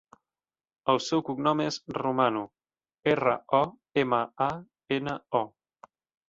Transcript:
El seu cognom és Romano: erra, o, ema, a, ena, o.